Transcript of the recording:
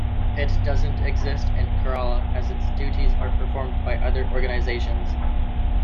It doesn't exist in Kerala as its duties are performed by other organisations.